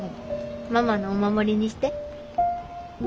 ママのお守りにして。